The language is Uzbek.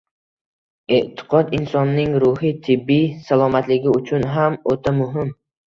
E’tiqod insonning ruhiy, tibbiy salomatligi uchun ham o‘ta muhim.